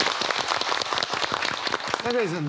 永井さん